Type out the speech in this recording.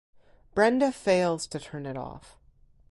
Brenda fails to turn it off.